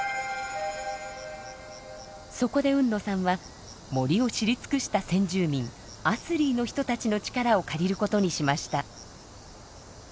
そこで海野さんは森を知り尽くした先住民「アスリー」の人たちの力を借りることにしました。